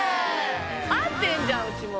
合ってんじゃんうちも。